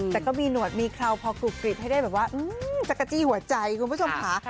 แต่ก็มีหนวดมีเคราวพอกรุบกริบให้ได้แบบว่าจักรจี้หัวใจคุณผู้ชมค่ะ